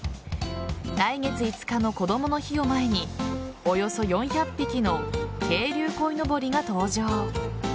来月５日のこどもの日を前におよそ４００匹の渓流鯉のぼりが登場。